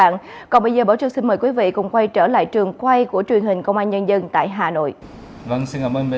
nó cũng không hết hẳn được